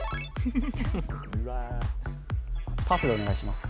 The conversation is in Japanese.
・うわパスでお願いします